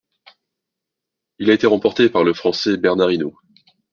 Il a été remporté par le Français Bernard Hinault.